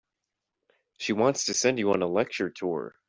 She wants to send you on a lecture tour.